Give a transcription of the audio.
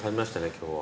今日は。